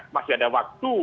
masih ada waktu